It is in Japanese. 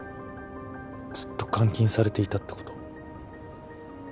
ずっと監禁されていたってこと？